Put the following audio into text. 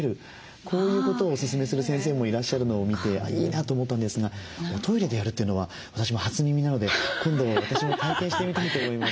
こういうことをおすすめする先生もいらっしゃるのを見ていいなと思ったんですがおトイレでやるというのは私も初耳なので今度私も体験してみたいと思います。